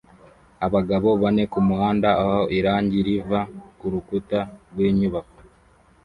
Abagabo bane kumuhanda aho irangi riva kurukuta rwinyubako